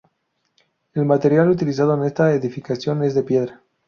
El material utilizado en esta edificación es la piedra.